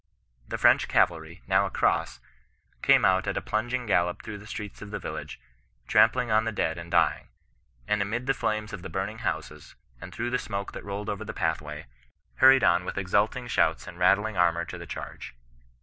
The French cavalry, now across, came on at a plunging gallop through the streets of the village, trampling on the dead and dying ; and amidLtlu^ 146 GHBISTIAM N0N BE8ISTAN0B. flames of the burning houses, and through the smoke that rolled over their pathway, hurried on with exulting shouts and rattling armour to the charge.